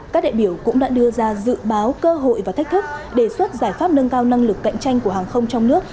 các đại biểu cũng đã đưa ra dự báo cơ hội và thách thức đề xuất giải pháp nâng cao năng lực cạnh tranh của hàng không trong nước